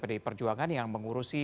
pdi perjuangan yang mengurusi